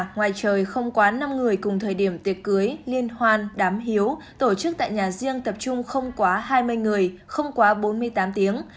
ngoài trời không quá năm người cùng thời điểm tiệc cưới liên hoan đám hiếu tổ chức tại nhà riêng tập trung không quá hai mươi người không quá bốn mươi tám tiếng